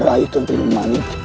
rai kuntun manik